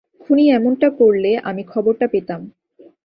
খুনি এমনটা করলে আমি খবরটা পেতাম।